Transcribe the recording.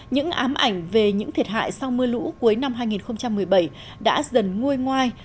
những ám ảnh về những thiệt hại sau mưa lũ cuối năm hai nghìn một mươi bảy đã dần nguôi ngoai